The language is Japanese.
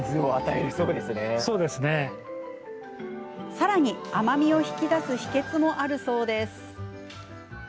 さらに、甘みを引き出す秘けつもあるそうです。